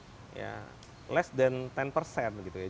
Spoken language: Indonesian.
lepas itu kita bisa mencari produk yang lebih dari sepuluh dari produk produk